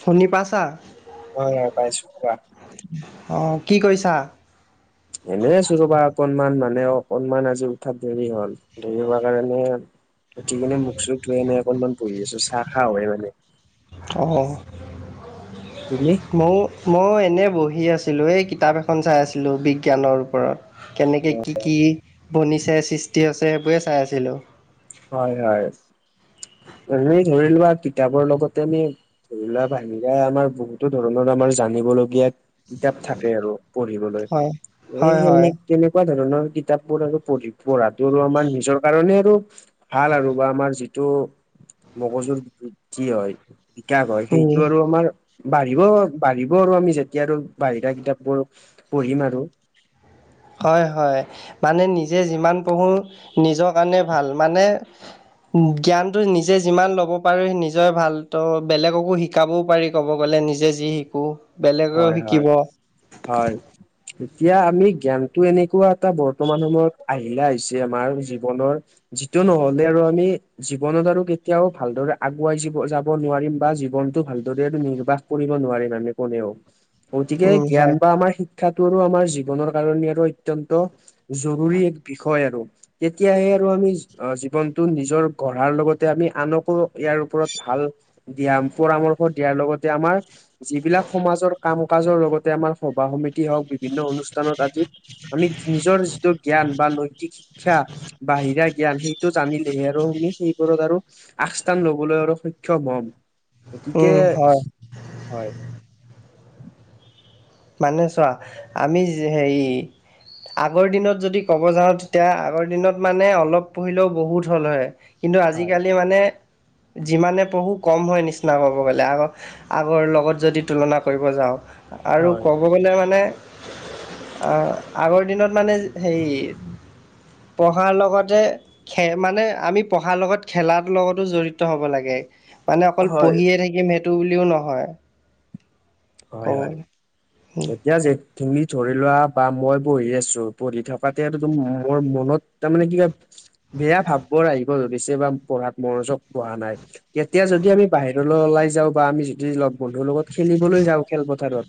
শুনি পাইছা? হয় হয় পাইছো, কোৱা অ, কি কৰিছা? এনেই আছোঁ ৰবা, অকনমান মানে অকনমান আজি উঠাত দেৰি হল, দেৰি হোৱা কাৰণে উঠি কিনি মুখচোন ধুই কিনে অকনমান বহি আছো, চাহ খাও হে মানে, অঁ তুমি? ময়ো মই এনেই বহি আছিলোঁ, এই কিতাপ এখন চাই আছিলোঁ, বিজ্ঞানৰ ওপৰত। কেনেকে কি কি বনিছে, সৃষ্টি হৈছে সেইবোৰে চাই আছিলো। হয় হয়। এনে ধৰি লোৱা কিতাপৰ লগতে আমি ধৰি লোৱা বাহিৰা আমাৰ বহুতো ধৰণৰ আমাৰ জানিবলগীয়া কিতাপ থাকে আৰু পঢ়িবলৈ, হয় হয় হয় এইখিনিক তেনেকুৱা ধৰণৰ কিতাপবোৰ আৰু পঢ়ি পঢ়াটো আমাৰ নিজৰ কাৰণে আৰু ভাল আৰু, বা আমাৰ যি টো মগজুৰ বৃদ্ধি হয়, বিকাশ হয় উম সেইটো আৰু আমাৰ বাঢ়িব বাঢ়িব আৰু আমি যেতিয়া আৰু বাহিৰা কিতাপবোৰ পঢ়িম আৰু, হয়, হয়, মানে নিজে যিমান পঢ়োঁ নিজৰ কাৰণে ভাল। মানে জ্ঞানটো নিজে যিমান ল'ব পাৰো, নিজৰ ভাল ত' বেলেগকো শিক শিকাবও পাৰি ক'ব গ'লে নিজে যি শিকো বেলেগেও হয় হয় শিকিব হয় এতিয়া আমি জ্ঞানটো এনেকুৱা এটা বৰ্তমান সময়ত আহিলা হৈছে আমাৰ জীৱনৰ যিটো নহলে আৰু আমি জীৱনত আৰু কেতিয়াও ভালদৰে আগুৱাই য যাব নোৱাৰিম বা জীৱনটো ভালদৰে আৰু নিৰ্বাহ কৰিব নোৱাৰিম আমি কোনেও গতিকে উম জ্ঞান হয় বা আমাৰ শিক্ষাটো আৰু আমাৰ জীৱনৰ কাৰণে আৰু অত্যন্ত জৰুৰী এক বিষয় আৰু তেতিয়াহে আৰু আমি জীৱনটো নিজৰ গঢ়াৰ লগতে আমি আনকো ইয়াৰ ওপৰত ভাল দিহা পৰামৰ্শ দিয়াৰ লগতে আমাৰ যিবিলাক সমাজৰ কাম কাজৰ লগতে আমাৰ সভা সমিতি হওঁক বিভিন্ন অনুষ্ঠানত আদিত আমি নিজৰ যিটো জ্ঞান বা নৈতিক শিক্ষা বাহিৰা জ্ঞান সেইটো জানিলেহে আৰু আমি সেইবোৰত আৰু আগস্থান ল'বলৈ আৰু সক্ষম হ'ম গতিকে উম হয় হয় মানে চোৱা আমি হেৰি আগৰ দিনত যদি ক'ব যাওঁ তেতিয়া আগৰ দিনত মানে অলপ পঢ়িলেও বহুত হল হয় কিন্তু হয় আজিকালি মানে যিমানে পঢ়ো কম হয় নিচিনা ক'ব গ'লে আক আগৰ লগত যদি তুলনা কৰিব যাওঁ আৰু হয় ক'ব গ'লে মানে আহ আগৰ দিনত মানে হেৰি পঢ়াৰ লগতে খে মানে আমি পঢ়াৰ লগত খেলাৰ লগতো জড়িত হ'ব লাগে। মানে অকল পঢ়িয়ে থাকিম সেইটো বুলিও নহয়। হয় ক'ব হয় গ'লে উম, এতিয়া যে তুমি ধৰি লোৱা বা মই পঢ়ি আছো পঢ়ি থকাতে আৰু মোৰ মনত তাৰমানে কি হয় বেয়া ভাববোৰ আহিব ধৰিছে বা পঢ়াত মনোযোগ বঢ়া নাই তেতিয়া যদি আমি বাহিৰলৈ ওলাই যাও বা আমি যদি লগ বন্ধুৰ লগত খেলিবলৈ যাওঁ খেলপথাৰত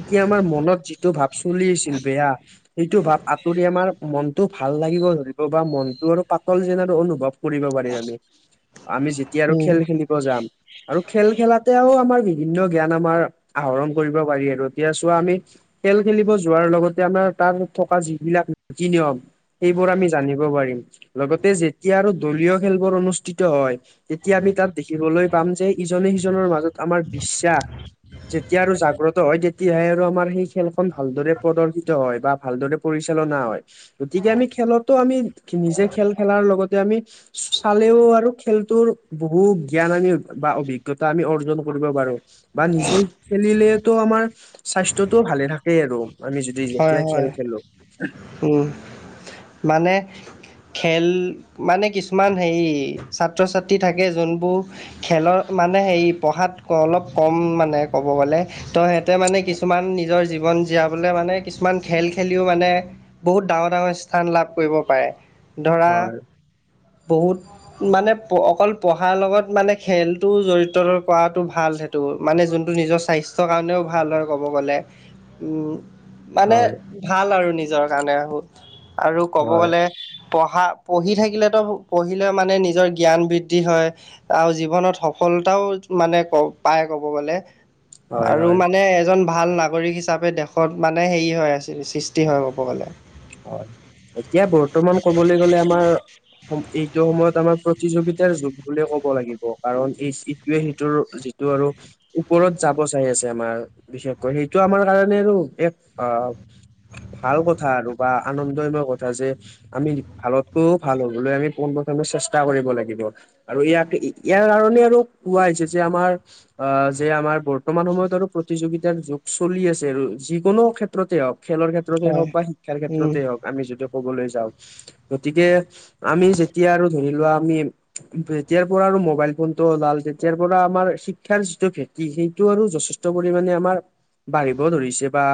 এতিয়া আমাৰ মনত যিটো ভাৱ চলি আছিল বেয়া সেইটো ভাব আঁতৰি আমাৰ মনটো ভাল লাগিব ধৰিব বা মনটো আৰু পাতল যেন আৰু অনুভৱ কৰিব পাৰিম আমি আমি যেতিয়া আৰু উম, খেল খেলি যাম আৰু খেল খেলাতেও আমাৰ বিভিন্ন জ্ঞান আমাৰ আহৰণ কৰিব পাৰি আৰু এতিয়া চোৱা আমি খেল খেলিব যোৱাৰ লগতে আমাৰ তাত থকা যিবিলাক নীতি নিয়ম সেইবোৰ আমি জানিব পাৰিম লগতে যেতিয়া আৰু দলীয় খেলবোৰ অনুষ্ঠিত হয় তেতিয়া আমি তাত দেখিবলৈ পাম যে ইজনে সিজনৰ মাজত আমাৰ বিশ্বাস যেতিয়া আৰু জাগ্ৰত হয় তেতিয়াহে আৰু আমাৰ সেই খেলখন ভালদৰে প্ৰদৰ্শিত ত হয় বা ভালদৰে পৰিচালনা হয়। গতিকে আমি খেলতো আমি নিজে খেল খেলাৰ লগতে আমি চালেও আৰু খেলটোৰ বহু জ্ঞান আমি বা অভিজ্ঞ অভিজ্ঞতা আমি অৰ্জন কৰিব পাৰো। খেল খেলিলেতো আমাৰ স্বাস্থ্যটো ভালে থাকে আৰু। আমি যদি হয় যেতিয়া খেল হয় খেলো উম মানে খেল মানে কিছুমান হেৰি ছাত্ৰ ছাত্ৰী থাকে যোনবোৰ খেলৰ মানে হেৰি পঢ়াত অলপ কম মানে ক'ব গ'লে ত তাতে মানে কিছুমান নিজৰ জীৱন জীয়াবলৈ মানে কিছুমান খেল খেলিও মানে বহুত ডাঙৰ ডাঙৰ স্থান লাভ কৰিব পাৰে ধৰা, হয় বহুত মানে অকল পঢ়াৰ লগত মানে খেলটো জড়িত কৰাটো ভাল ধো, মানে যোনটো নিজৰ স্বাস্থ্যৰ কাৰণেও ভাল হয় ক'ব গ'লে। উম, মানে হয় ভাল আৰু নিজৰ কাৰণে, আৰু ক'ব হয় গ'লে পঢ়া, পঢ়ি থাকিলেতো পঢ়িলে মানে নিজৰ জ্ঞান বৃদ্ধি হয়। আৰু জীৱনত সফলতাও মানে ক, পায় ক'ব গ'লে। হয় আৰু হয় মানে এজন ভাল নাগৰিক হিচাপে দেশত মানে হেৰি হয় আছে, সৃষ্টি হয় ক'ব গ'লে। হয়, এতিয়া বৰ্তমান ক'বলৈ গ'লে আমাৰ এইটো সময়ত আমাৰ প্ৰতিযোগিতাৰ যুগ বুলিয়ে ক'ব লাগিব, কাৰণ এই চিট টোৰ যিটো আৰু ওপৰত যাব চাই আছে আমাৰ, বিশেষকৈ সেইটো আমাৰ কাৰণে আৰু এক আ ভাল কথা আৰু বা, আনন্দময় কথা যে আমি ভালতকৈও ভাল হ'বলৈ আমি পোনপ্ৰথমে চেষ্টা কৰিব লাগিব। আৰু ইয়াক- ইয়াৰ কাৰণে আৰু কোৱা হৈছে যে আমাৰ অ, যে আমাৰ বৰ্তমান সময়ত আৰু প্ৰতিযোগিতাৰ যুগ চলি আছে আৰু যিকোনো ক্ষেত্ৰতে হ'ওক খেলৰ ক্ষেত্ৰত কেত্ৰতে হয় হওঁক বা শিক্ষাৰ উম ক্ষেত্ৰতে হওঁক আমি যদিও কবলৈ যাওঁ, গতিকে আমি যেতিয়া আৰু ধৰি লোৱা আমি যেতিয়াৰ পৰা আৰু মোবাইল ফোন টো ওলাল তেতিয়াৰ পৰা আমাৰ শিক্ষাৰ যিটো ভেটি সেইটো আৰু যথেষ্ট ষ্ট, পৰিাণে আমাৰ বাঢ়িব ধৰিছে, বা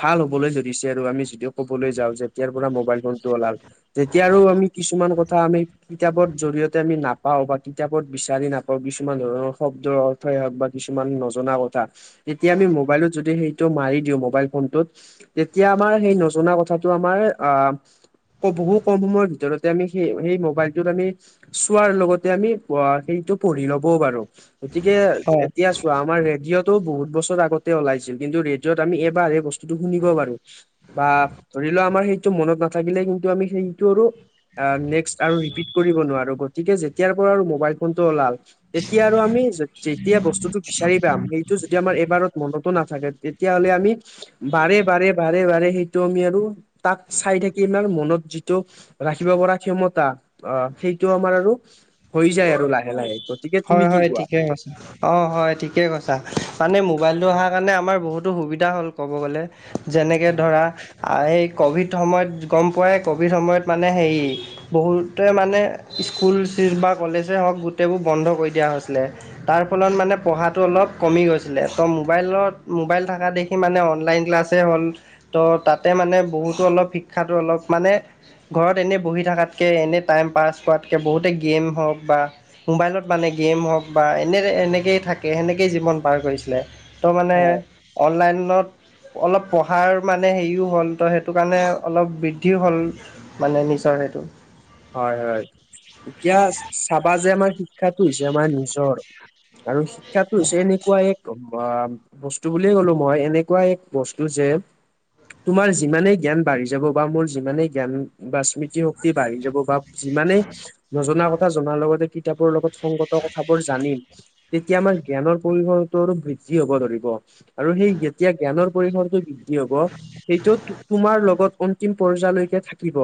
ভাল হ'বলৈ ধৰিছে আৰু আমি যদিও কবলৈ যাওঁ যেতিয়াৰ পৰা মবাইল ফোনটো ওলাল, তেতিয়াৰো আমি কিছুমান কথা আমি কিতাপৰ জৰি়য়তে আমি নাপাও বা কিতাপত বিচাৰি নাপাও কিছুমান ধৰণৰ শব্দ। হ'ওক বা কিছুমান নজনা কথা তেতিয়া আমি মোবাইলত যদি সেইটো মাৰি দিওঁ মোবাইল ফোনটোত তেতিয়া আমাৰ সেই নজনা কথাটো আমাৰ আহ বহু কম সময়ৰ ভিতৰতে আমি সেই- সেই মোবাইলটোত আমি চোৱাৰ লগতে আমি সেইটো পঢ়ি ল'বও পাৰো গতিকে হয় এতিয়া আমাৰ ৰেডিঅ'তটো বহুত বছৰ আগতে ওলাইছিল, কিন্তু ৰেডিঅ'ত আমিবাৰ এই বস্তুতটো শুনিব পাৰো। বা ধৰি লোৱা আমাৰ সেইটো মনত নাথাকিলে কিন্তু আমি সেইটো আৰু অ, নেক্সট আৰু ৰিপিট কৰিব নোৱাৰো, গতিকে যেতিয়াৰ পৰা আৰু মোবাইল ফোনটো ওলাল তেতিয়া আৰু আমি যেতিয়া বস্তুতটো বিচাৰি পাম যদি আমাৰ এবাৰত মনতো নাথাকে তেতিয়াহ'লে আমি বাৰে, বাৰে, বাৰে, বাৰে, সেই যিটো আমি আৰু তাক চাই থাকি আমাৰ মনত যিটো ৰাখিব পৰা ক্ষমতা অ, সেইটো আমাৰ আৰু হৈ যায় আৰু লাহে, লাহে। গতিকে তুমি হয়, কি হয়, কোৱা ঠিকেই কৈছা। অ, হয় ঠিকেই কৈছা মানে মোবাইলটো অহাৰ কাৰণে আমাৰ বহুতো সুবিধা হ'ল ক'ব গ'লে। যেনেকে ধৰা এইে ক'ভিড সময়ত গম পোৱাই ক'ভিড সময়ত মানে হেৰি বহুতে মানে স্কুল বা কলেজে হ'ওক গোটেইবোৰ বন্ধ কৰি দিয়া হৈছিলে। তাৰ ফলত মানে পঢ়াটো অলপ কমি গৈছিলে, ত মোবাইলত মোবাইল থকা দেখি সি মানে অনলাইন ক্লাছে হ'ল ত' তাতে মানে বহুতো অলপ শিক্ষাটো অলপ মানে ঘৰত এনেই বহি থকাতকৈ এনেই টাইম, পাছ কৰাতকৈ বহুতে গেম হ'ওক বা মোবাইলত মানে গেম হ'ওক বা এনে এনেকৈয় থাকে সেনেকেই জীৱন পাৰ কৰিছিলে। ত, মানে হয় অনলাইনত অলপ পঢ়াৰ মানে হেৰিও হ'ল তো, সেইটো কাৰণে অলপ বৃদ্ধি হ'ল। মানে নিচৰ সেইটো। হয়, হয়, এতিয়া চাবা যে আমাৰ শিক্ষাটো হৈছে আমাৰ নিজৰ আৰু শিক্ষাটো হৈছে এনেকুৱা এক বা বস্তু বুলিয়ে ক'লো মই এনেকুৱা এক বস্তু যে তোমাৰ যিমানেই জ্ঞান বাঢ়ি যাব বা মোৰ যিমানেই জ্ঞান বা স্মৃতিশক্তি বাঢ়ি যাব বা যিমানেই নজনা কথা জনাৰ লগতে কিতাপৰ লগত সংগত কথাবোৰ জানিম তেতিয়া আমাৰ জ্ঞানৰ পৰিৱৰ্তন আৰু বৃদ্ধি হব ধৰিব আৰু সেই যেতিয়া জ্ঞানৰ পৰিসৰটো বৃদ্ধি হব সেইটো তোমাৰ লগত অন্তিম পৰ্যায়লৈকে থাকিব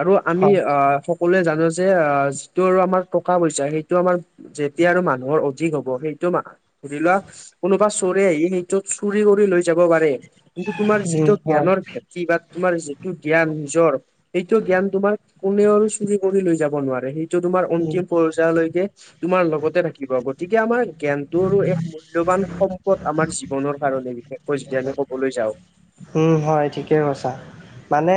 আৰু আমি হয় অহ সকলোৱে জানো যে অহ যিটো আমাৰ টকা পইচা সেইটো আমাৰ যেতিয়া আৰু মানুহৰ অধিক হ'ব সেইটো মান ধৰি লোৱা কোনোবা চোৰে আহি সেইটো চুৰি কৰি লৈ যাব পাৰে কিন্তু তোমাৰ উম যিটো হয় জ্ঞানৰ ভেদ কি বা তোমাৰ যিটো জ্ঞান নিজৰ সেইটো জ্ঞান তোমাৰ কোনে আৰু চু চুৰি কৰি লৈ যাব নোৱাৰে সেইটো তোমাৰ উম অন্তিম পৰ্যায়লৈকে তোমাৰ লগতে থাকিব গতিকে আমাৰ জ্ঞানটোৰো এক মূল্যবান সম্পদ আমাৰ জীৱনৰ কাৰণে বিশেষকৈ যদি আমি কবলৈ যাওঁ উম হয় ঠিকেই কৈছা মানে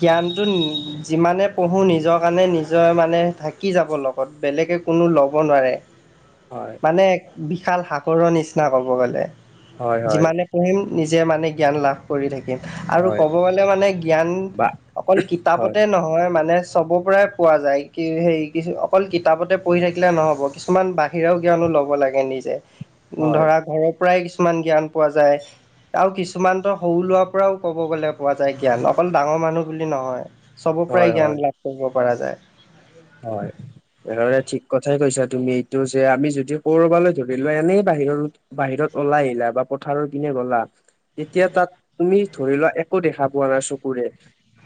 জ্ঞানটো নি যিমানে পঢ়োঁ নিজৰ কাৰণে নিজে মানে থা কি যাব লগত বেলেগে কোনো ল'ব নোৱাৰে হয় মানে বিশাল সাগৰৰ নিচিনা ক'ব গলে হয় হয় যিমানে পঢ়িম নিজে মানে জ্ঞান লাভ কৰি থাকিম আৰু হয় ক'ব গলে মানে জ্ঞান বা অকল হয় কিতাপতে নহয় মানে চবৰ পৰাই পোৱা যায় কি সেই কিছু অকল কিতাপতে পঢ়ি থাকিলে নহ'ব কিছুমান বাহিৰাও জ্ঞানো ল'ব লাগে নিজে হয় ধৰা ঘৰৰ পৰাই কিছুমান জ্ঞান পোৱা যায় আৰু কিছুমানতো সৰু ল'ৰা পৰাও ক'ব গলে পোৱা যায় জ্ঞান অকল ডাঙৰ মানুহ বুলি নহয় চবৰ হয় পৰাই জ্ঞান হয় লাভ কৰিব পৰা যায় হয় তেনেহলে ঠিক কথাই কৈছা তুমি এইটো যে আমি যদি কৰোবালৈ ধৰি লোৱা এনেই বাহিৰ বাহিৰত ওলাই আহিলা বা পথাৰৰ কিনে গ'লা তেতিয়া তাত তুমি ধৰি লোৱা একো দেখা পোৱা নাই চকুৰে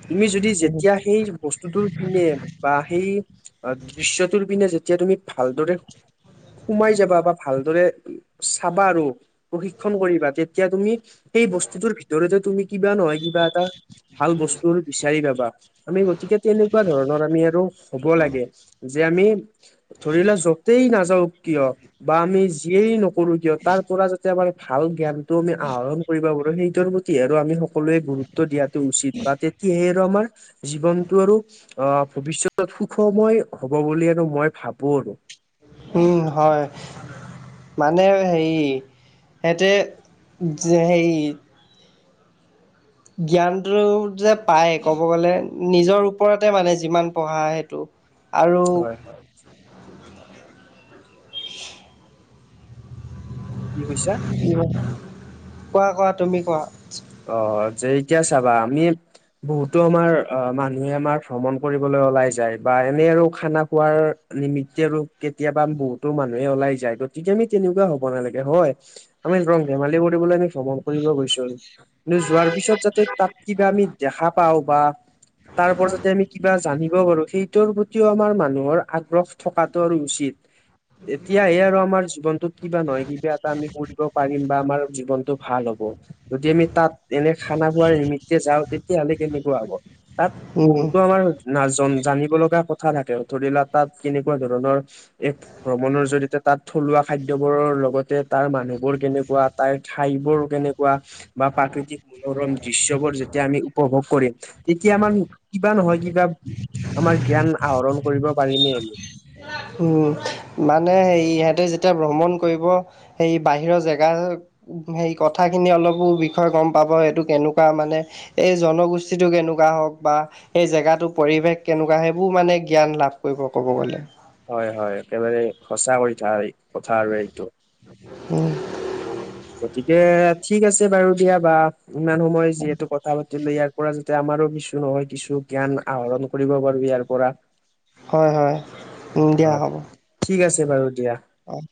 তুমি যদি যেতিয়া সেই বস্তুটো পিনে বা সেই অ দৃশ্যটোৰ পিনে যেতিয়া তুমি ভালদৰে সোমাই যাবা বা ভালদৰে চাবা আৰু প্ৰশিক্ষন কৰিবা তেতিয়া তুমি সেই বস্তুতোৰ ভিতৰতে তুমি কিবা নহয় কিবা এটা ভাল বস্তুৰ বিচাৰি যাবা আমি গতিকে তেনেকুৱা ধৰণৰ আমি আৰু হ'ব লাগে যে আমি ধৰিল য'তেই নাযাওঁ কিয় বা আমি আমি যিয়েই নকৰো কিয় তাৰ পৰা যাতে আমাৰ ভাল জ্ঞানটো আমি আহৰণ কৰিব পাৰোঁ সেইটোৰ প্ৰতি তেতিয়া আৰু আমি সকলোৱে গুৰুত্ব দিয়াটো উচিত বা তেতিয়াহে আৰু আমাৰ জীৱনতটো আৰু অহ ভৱিষ্যতত সুখময় হ'ব বুলি আৰু মই ভাবো আৰু উম হয় মানে হেৰি হেতে যে হেৰি জ্ঞানটো যে পায় ক'ব গলে নিজৰ ওপৰতে মানে যিমান পঢ়া সেইটো আৰু হয় হয় কি কৈছা? কোৱা কোৱা তুমি কোৱা। অ' যে এতিয়া চাবা আমি। বহুতো আমাৰ অ মানুহে আমাৰ ভ্ৰমণ কৰিবলৈ ওলাই যায় বা এনে আৰু খানা খোৱাৰ। নিমিত্তে ৰপ কেতিয়াবা বহুতো মানুহে ওলাই যায়, গতিকে আমি তেনেকুৱা হ'ব নালাগে হয়। আমি ৰং ধেমালি কৰিবলৈ আমি ভ্ৰমণ কৰিব গৈছো আৰু। যোৱাৰ পিছত যাতে তাত কিবা আমি দেখা পাওঁ বা। তাৰ পৰা যাতে আমি কিবা জানিব পাৰো সেইটোৰ প্ৰতিও আমাৰ মানুহৰ আগ্ৰহ থকাতটো আৰু উচিত। এতিয়াহে আৰু আমাৰ জীৱনতত কিবা নহয় কিবা এটা আমি কৰিব পাৰিম বা আমাৰ জীৱনটো। ভাল হ'ব। যদি আমি তাত এনে খানা খোৱাৰ নিমিত্তে যাওঁ তেতিয়াহ'লে কেনেকুৱা হ'ব তাত উম বহুতো। আমাৰ ন জানিব লগা কথা থাকে, ধৰি লোৱা তাত কেনেকুৱা ধৰণৰ এক। ভ্ৰমণৰ জৰিয়তে তাত থলুৱা খাদ্যবোৰৰ লগতে তাৰ মানুহবোৰ কেনেকুৱা তাৰ ঠাইবোৰ কেনেুৱা। কেনেকুৱা বা প্ৰাকৃতিক মনোৰম দৃশ্যবোৰ যেতিয়া আমি। উপভোগ কৰিম, তেতিয়া আমাৰ কিবা নহয় কিবা। আমাৰ জ্ঞান আহৰণ কৰিব পাৰিমেই আমি। উম, মানে হে ইহঁতে যেতিয়া ভ্ৰমণ কৰিব। এই বাহিৰৰ জেগা। হেই কথাখিনি অলপো বিষয়ে গম পাব এইটো কেনেকুৱা মানে। এই জনগোষ্ঠীটো কেনেকুৱা হওক বা। এই জেগাটো পৰিৱেশ কেনেকুৱা সেইবোৰ মানে জ্ঞান লাভ কৰিব ক'ব গ'লে। হয় হয়, একেবাৰে সঁচা কৰি থা এই কথা আৰু এইটো। উম গতিকে ঠিক আছে বাৰু দিয়া বা। ইমান সময় যিহেতু কথা পাতিলো ইয়াৰ পৰা। আমাৰো কিছু নহয় কিছু জ্ঞান আহৰণ কৰিব পাৰো ইয়াৰ পৰা। হয় হয় অ দিয়া হ'ব। ঠিক আছে বাৰু দিয়া। অহ।